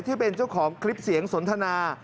ที่เป็นเจ้าของคลิปเสียงสนทนา